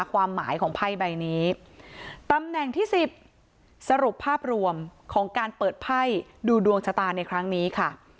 ความหมายของไพ่ใบนี้ตำแหน่งที่๑๐สรุปภาพรวมของการเปิดไพ่ดูดวงชะตาในครั้งนี้ค่ะ